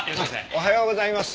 おはようございます。